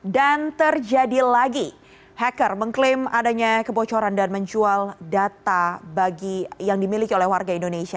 dan terjadi lagi hacker mengklaim adanya kebocoran dan menjual data yang dimiliki oleh warga indonesia